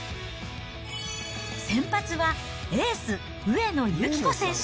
先発はエース、上野由岐子選手。